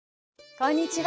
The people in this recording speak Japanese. こんにちは。